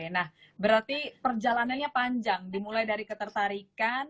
nah berarti perjalanannya panjang dimulai dari ketertarikan